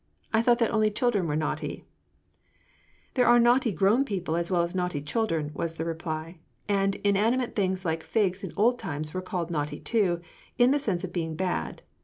"I thought that only children were naughty," "There are 'naughty' grown people as well as naughty children," was the reply, "and inanimate things like figs in old times were called naughty too, in the sense of being bad.